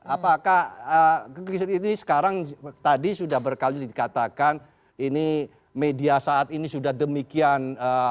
apakah ini sekarang tadi sudah berkali dikatakan ini media saat ini sudah demikian